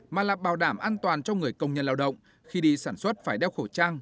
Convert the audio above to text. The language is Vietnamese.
mà là bảo đảm an toàn cho người công nhân lao động khi đi sản xuất phải đeo khẩu trang